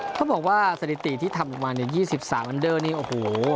เขาบอกว่าสถิติที่ทำออกมาเนี่ย๒๓อันเดอร์นี่โอ้โห